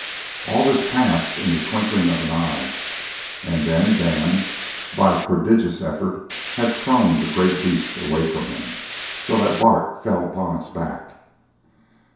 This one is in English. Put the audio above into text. All this passed in the twinkling of an eye, and then Dan, by a prodigious effort, had thrown the great beast away from him, so that Bart fell upon its back.